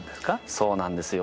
そうなんですよ。